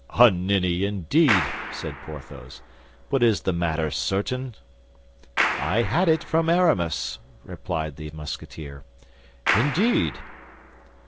"A ninny, indeed!" said Porthos; "but is the matter certain?" "I had it from Aramis," replied the Musketeer. "Indeed?"